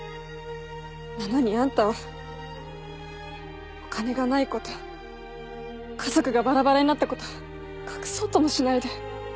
なのにあんたはお金がないこと家族がバラバラになったこと隠そうともしないで。